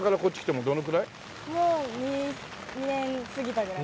もう２年過ぎたぐらい。